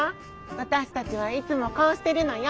わたしたちはいつもこうしてるのよ。